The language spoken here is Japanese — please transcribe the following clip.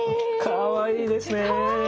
かわいいですね。